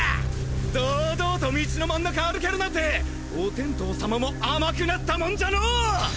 堂々と道の真ん中歩けるなんてお天道様も甘くなったもんじゃのォ！